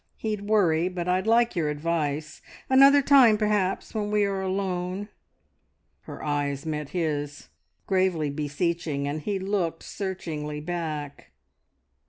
He'd worry, but I'd like your advice. Another time, perhaps, when we are alone." Her eyes met his, gravely beseeching, and he looked searchingly back.